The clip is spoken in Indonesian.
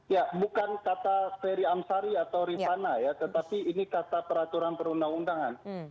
ya bukan kata ferry amsari atau rifana ya tetapi ini kata peraturan perundang undangan